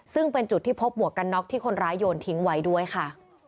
ซึ่งเป็นจุดที่พบหมวกกันน็อกที่คนร้ายโยนทิ้งไว้ด้วยค่ะ